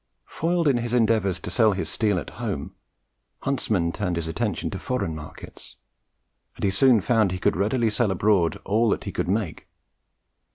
Foiled in his endeavours to sell his steel at home, Huntsman turned his attention to foreign markets; and he soon found he could readily sell abroad all that he could make.